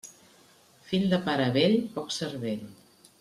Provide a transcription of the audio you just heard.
Fill de pare vell, poc cervell.